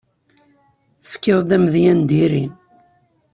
Tefkiḍ-d amedya n diri.